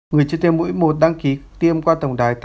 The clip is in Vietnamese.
người chưa tiêm mũi một đăng ký tiêm qua tổng đài tám nghìn sáu mươi sáu